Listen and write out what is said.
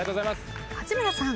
八村さん。